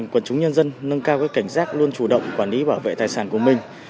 quần chúng nhân dân nâng cao cảnh giác luôn chủ động quản lý bảo vệ tài sản của mình